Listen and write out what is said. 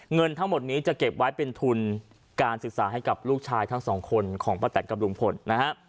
เงินทั้งหมดนี้จะเก็บไว้เป็นทุนการศึกษาให้กับลูกชายทั้งสองคนของป้าแตนกับลุงพลนะฮะ